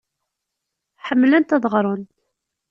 Ḥemmlent ad ɣrent.